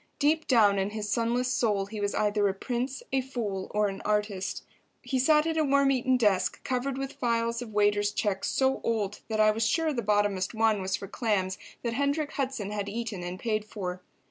Deep down in his sunless soul he was either a prince, a fool or an artist. He sat at a worm eaten desk, covered with files of waiters' checks so old that I was sure the bottomest one was for clams that Hendrik Hudson had eaten and paid for.